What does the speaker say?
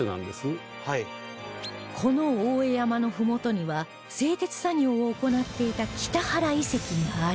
この大江山の麓には製鉄作業を行っていた北原遺跡があり